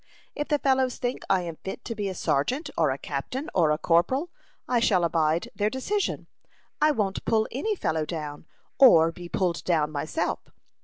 If the fellows think I am fit to be a sergeant, or a captain, or a corporal, I shall abide their decision. I won't pull any fellow down, or be pulled down myself.